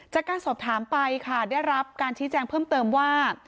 จากการสอบถามไปค่ะได้รับการชี้แจงเพิ่มเติมว่า